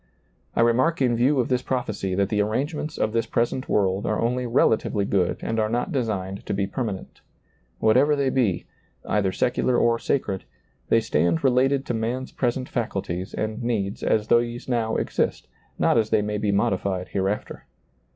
I remark in view of this prophecy that the arrangements of this present world are only rela tively good and are not designed to be per manent. Whatever they be, — either secular or sacred, — they stand related to man's present faculties and needs as these now exist, not as they may be modified hereafter.